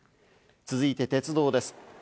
続いて鉄道です。